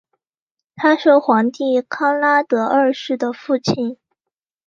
他是皇帝康拉德二世的父亲。